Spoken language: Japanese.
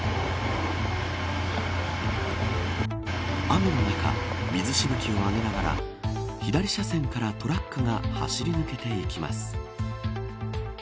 雨の中、水しぶきを上げながら左車線からトラックが走り抜けていきます。